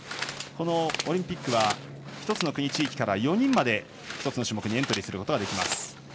このオリンピックは１つの国・地域から４人まで１つの種目にエントリーすることができます。